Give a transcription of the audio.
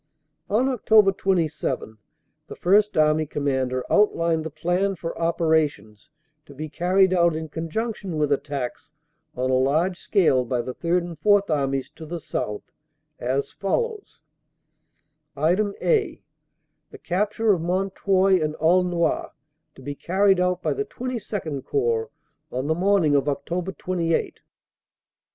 "On Oct. 27 the First Army Commander outlined the plan for operations to be carried out in conjunction with at tacks on a large scale by the Third and Fourth Armies to the south as follows : "(a) The capture of Mount Houy and Aulnoy to be carried out by the XXII Corps on the morning of Oct. 28. .